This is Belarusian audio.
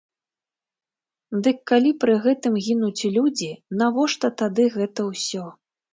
Дык калі пры гэтым гінуць людзі, навошта тады гэта ўсё?